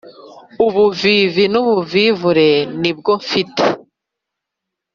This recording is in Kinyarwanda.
ubuvivi n’ubuvivure nibwo mfite